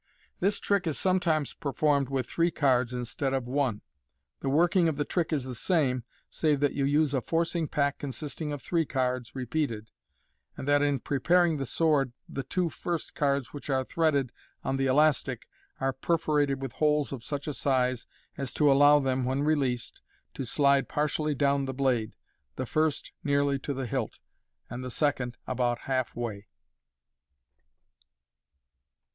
This trick is sometimes performed with three cards instead of one The working of the trick is the same, save that you use a forcing pack consisting of three cards repeated, and that in preparing the sword the two first cards which are threaded on the elastic are perforated with holes of such a size, as to allow them, when released, to slide partially down the blade, the first nearly to the hilt, and the second about half way.